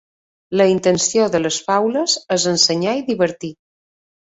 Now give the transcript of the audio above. La intenció de les faules és ensenyar i divertir.